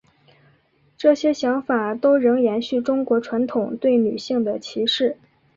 这些想法都仍延续中国传统对女性的歧视。